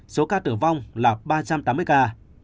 số ca tử vong là ba trăm tám mươi ca